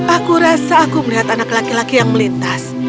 aku rasa aku melihat anak laki laki yang melintas